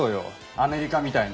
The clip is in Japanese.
アメリカみたいに。